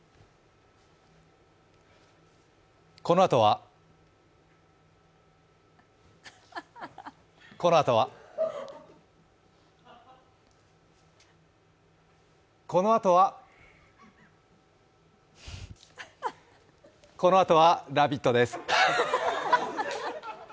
このあとはこのあとはこのあとはこのあとは「ラヴィット！」です。